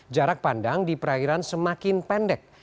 jarak pandang di perairan semakin pendek